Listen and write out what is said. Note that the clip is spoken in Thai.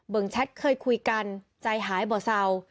เบื้องแชทเผยคุยกันใจหายบ่อเสา